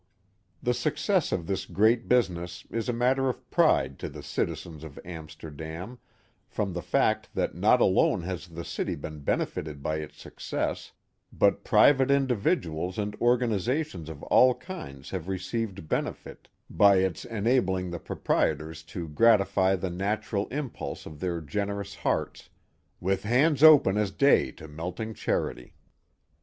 The success of this great business is a matter of pride to the citizens of Amsterdam, from the fact that not alone has the city been benefited by its success, but private individuals and organizations of all kinds have received benefit, by its 336 The Mohawk Valley enabling the proprietors to gratify the natural impulse of' generous hearts " with hands open as day to melting charity."